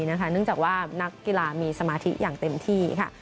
เนื่องจากว่านักกีฬามีสมาธิอย่างเต็มที่ค่ะ